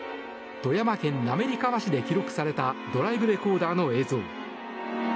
富山県滑川市で記録されたドライブレコーダーの映像。